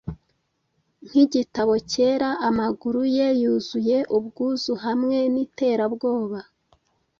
Nkigitabo cyera Amaguru ye yuzuye ubwuzu hamwe niterabwoba.